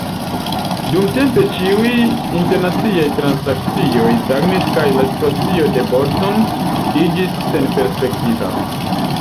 Dumtempe ĉiuj internaciaj transakcioj stagnis kaj la situacio de Bodson iĝis senperspektiva.